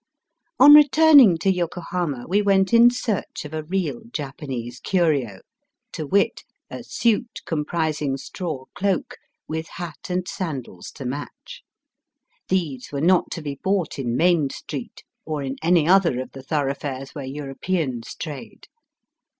On returning to Yokohama we went in search of a real Japanese curio, to wit, a suit comprising straw cloak, with hat and sandals to match. These were not to be bought in Main Street, or in any other of the thoroughfares where Europeans trade.